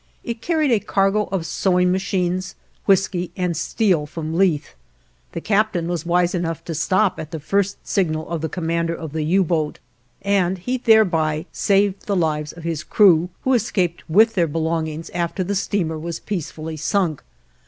It carried a cargo of sewing machines, whisky, and steel from Leith. The captain was wise enough to stop at the first signal of the commander of the U boat, and he thereby saved the lives of his crew, who escaped with their belongings after the steamer was peacefully sunk.